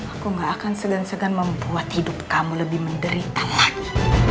aku gak akan segan segan membuat hidup kamu lebih menderita lagi